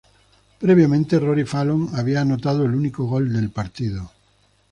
Previamente, Rory Fallon había anotado el único gol del partido.